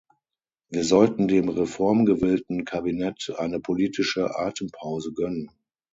Wir sollten dem reformgewillten Kabinett eine politische Atempause gönnen.